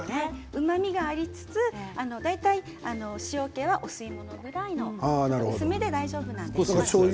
うまみがありつつ塩けはお吸い物くらいの薄めで大丈夫なんです。